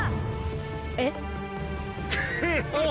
えっ？